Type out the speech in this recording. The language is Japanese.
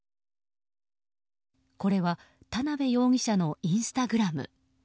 これは田辺容疑者のインスタグラム。